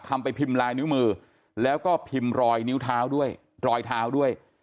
ไปพิมพ์ลายนิ้วมือแล้วก็พิมพ์รอยนิ้วเท้าด้วยรอยเท้าด้วย